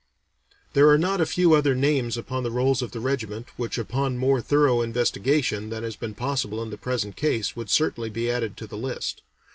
There are not a few other names upon the rolls of the regiment which upon more thorough investigation than has been possible in the present case would certainly be added to the list.